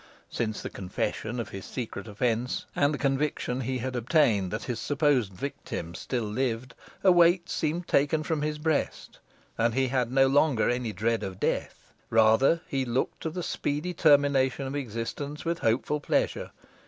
Since the confession of his secret offence, and the conviction he had obtained that his supposed victim still lived, a weight seemed taken from his breast, and he had no longer any dread of death. Rather he looked to the speedy termination of existence with hopeful pleasure.